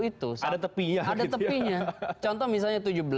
itu ada tepinya ada tepinya contoh misalnya